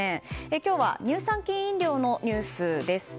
今日は乳酸菌飲料のニュースです。